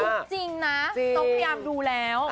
จริงนะต้องพยายามดูแล้ว